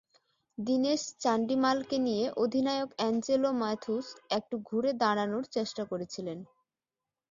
দীনেশ চান্ডিমালকে নিয়ে অধিনায়ক অ্যাঞ্জেলো ম্যাথুস একটু ঘুরে দাঁড়ানোর চেষ্টা করেছিলেন।